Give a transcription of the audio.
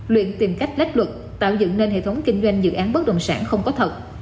luyện tìm cách lách luật tạo dựng nên hệ thống kinh doanh dự án bất động sản không có thật